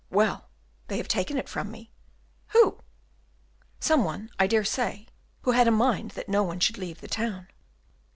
"Well, they have taken it from me." "Who?" "Some one, I dare say, who had a mind that no one should leave the town."